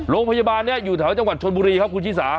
โรงพยาบาลนี้อยู่แถวจังหวัดชนบุรีครับคุณชิสา